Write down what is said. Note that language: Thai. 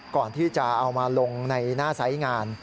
ก่อนที่จะเอามาลงในหน้าไซส์งาน